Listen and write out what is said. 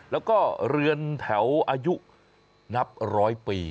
แล้วก็เรือนแถวอายุนับร้อยปี